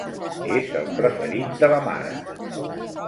És el preferit de la mare.